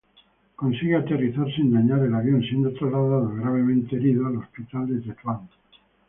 Consigue aterrizar sin dañar el avión, siendo traslados gravemente heridos al Hospital de Tetuán.